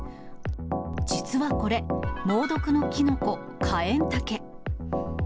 実はこれ、猛毒のキノコ、カエンタケ。